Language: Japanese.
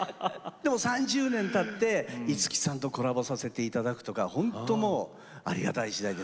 でも３０年たって五木さんとコラボさせていただくとかほんともうありがたい時代です。